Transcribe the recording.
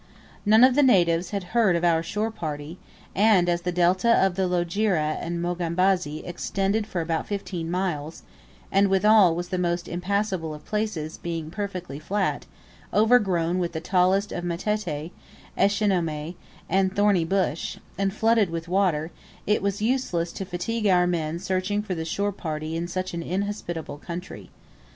None of the natives had heard of our shore party, and, as the delta of the Loajeri and Mogambazi extended for about fifteen miles, and withal was the most impassable of places, being perfectly flat, overgrown with the tallest of matete, eschinomenae, and thorny bush, and flooded with water, it was useless to fatigue our men searching for the shore party in such an inhospitable country.